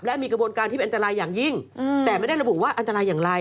และมีกระบวนการที่เป็นอันตรายอย่างยิ่งแต่ไม่ได้ระบุว่าอันตรายอย่างไร